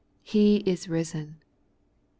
He is risen !